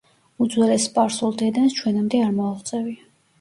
უძველეს სპარსულ დედანს ჩვენამდე არ მოუღწევია.